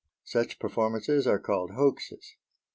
Such performances are called hoaxes.